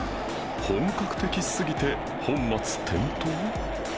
本格的すぎて本末転倒！？